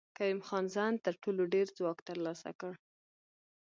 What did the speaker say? کریم خان زند تر ټولو ډېر ځواک تر لاسه کړ.